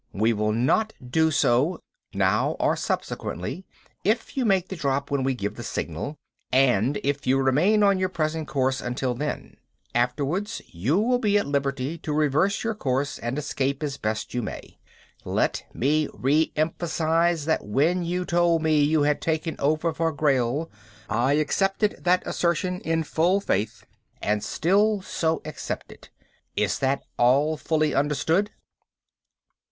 We will not do so, now or subsequently, if you make the drop when we give the signal and if you remain on your present course until then. Afterwards you will be at liberty to reverse your course and escape as best you may. Let me re emphasize that when you told me you had taken over for Grayl I accepted that assertion in full faith and still so accept it. Is that all fully understood?"